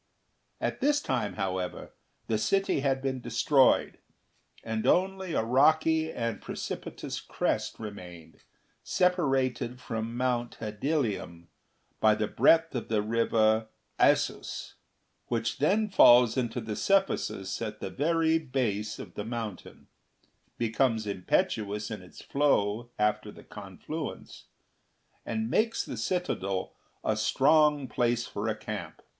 At this time, however, the city had been destroyed, and only a rocky and precipitous crest remained, separated from Mount Hedylium by the breadth of the river Assus, which then falls into the Cephisus at the very base of the mountain, becomes impetuous in its flow after the confluence, and makes the citadel a strong place for a camp.